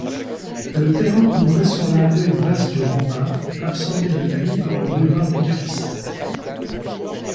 Le terrain ouvrait sur la rue Basse-du-Rempart, absorbée depuis par le boulevard des Capucines.